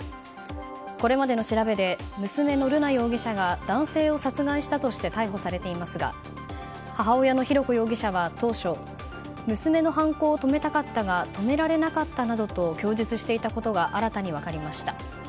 これまでの調べで娘の瑠奈容疑者が男性を殺害したとして逮捕されていますが母親の浩子容疑者は当初、娘の犯行を止めたかったが止められなかったなどと供述していることが新たに分かりました。